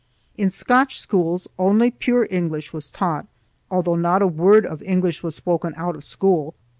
In Scotch schools only pure English was taught, although not a word of English was spoken out of school.